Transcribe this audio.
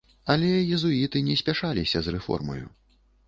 Але езуіты не спяшаліся з рэформаю.